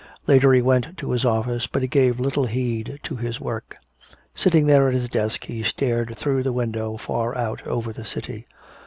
Later he went to his office, but he gave little heed to his work. Sitting there at his desk, he stared through the window far out over the city.